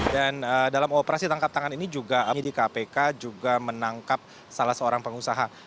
dan dalam operasi tangkap tangan ini juga di kpk juga menangkap salah seorang pengusaha